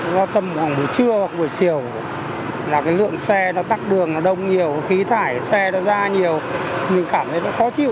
do tầm buổi trưa hoặc buổi chiều lượng xe tắt đường đông nhiều khí thải xe ra nhiều mình cảm thấy khó chịu